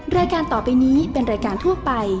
รายการต่อไปนี้เป็นรายการทั่วไป